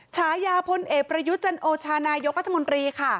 ฉายาพลเอกประยุทธ์จันโอชานายกรัฐมนตรีค่ะ